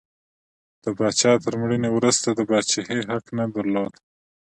د پاچا تر مړینې وروسته د پاچاهۍ حق نه درلود.